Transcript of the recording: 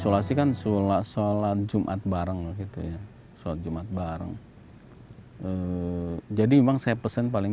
solasi kan sholat sholat jumat bareng gitu ya sholat jumat bareng jadi memang saya pesan paling